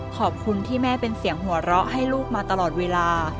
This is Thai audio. ขอบคุณที่แม่เป็นเสียงหัวเราะให้ลูกมาตลอดเวลา